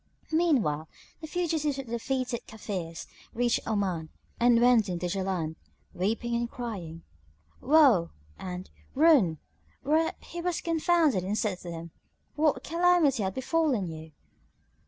Meanwhile, the fugitives of the defeated Kafirs reached Oman and went in to Jaland, weeping and crying, "Woe!" and "Ruin!" whereat he was confounded and said to them, "What calamity hath befallen you?"